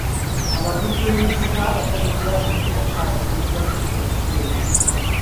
Abavuzi b'ebidduka baasabibwa okufuna kaadi ezibakkiriza okuvuga ebidduka.